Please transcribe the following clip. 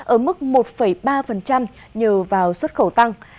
ở mức một ba nhờ vào xuất khẩu tăng